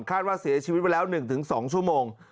ว่าเสียชีวิตไปแล้ว๑๒ชั่วโมง